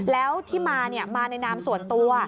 แล้วที่มามาในนามส่วนตัว